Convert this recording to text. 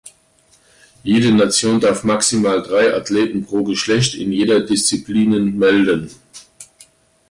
Jede Nation darf maximal drei Athleten pro Geschlecht in jeder Disziplinen melden.